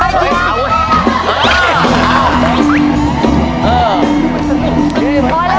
ไปขอเสียงหน่อย